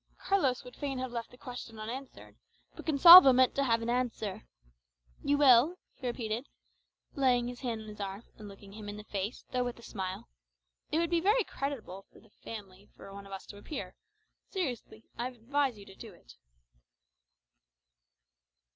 Carlos would fain have left the question unanswered; but Gonsalvo meant to have an answer. "You will?" he repeated, laying his hand on his arm, and looking him in the face, though with a smile. "It would be very creditable to the family for one of us to appear. Seriously; I advise you to do it."